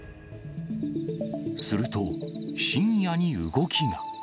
すると、深夜に動きが。